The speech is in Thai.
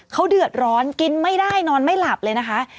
เขาเดือดร้อนกินไม่ได้นอนไม่หลับเลยนะคะ